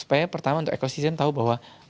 supaya pertama untuk ekosistem tahu bahwa